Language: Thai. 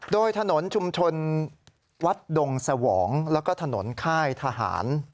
โดยถนนชุมชนวัดดงสวองแล้วก็ถนนค่ายทหาร